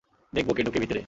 দেখবো, কে ঢুকে ভিতেরে।